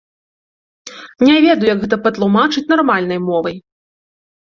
Не ведаю, як гэта патлумачыць нармальнай мовай.